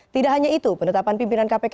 tidak hanya itu penetapan pimpinan kpk